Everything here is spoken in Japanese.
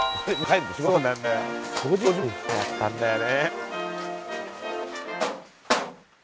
早かったんだよね。